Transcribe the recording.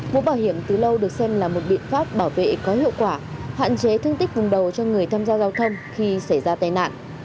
mũ bảo hiểm từ lâu được xem là một biện pháp bảo vệ có hiệu quả hạn chế thương tích vùng đầu cho người tham gia giao thông khi xảy ra tai nạn